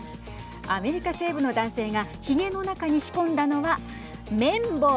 アメリカ西部の男性がひげの中に仕込んだのは綿棒。